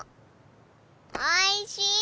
おいしい！